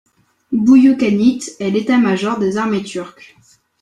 Büyükanıt est le d'état-major des armées turques.